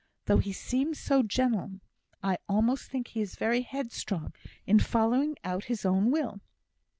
Though he seems so gentle, I almost think he is very headstrong in following out his own will."